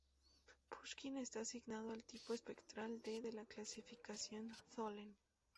Pushkin está asignado al tipo espectral D de la clasificación Tholen.